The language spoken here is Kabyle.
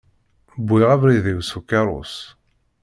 Wwiɣ abrid-iw s ukerrus.